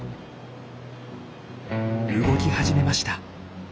動き始めました。